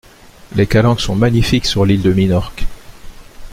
Les calanques sont magnifiques sur l'île de Minorque.